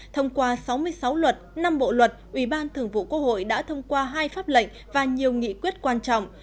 thông qua sáu mươi sáu luật năm bộ luật ủy ban thường vụ quốc hội đã thông qua hai pháp lệnh và nhiều nghị quyết quan trọng